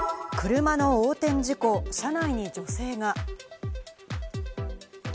車の横転事故、車内に女性が。